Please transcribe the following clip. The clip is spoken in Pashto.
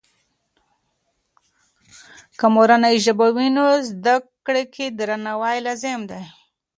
که مورنۍ ژبه وي، نو زده کړې کې درناوی لازم دی.